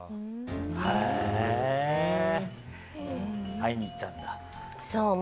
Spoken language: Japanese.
会いに行ったんだ。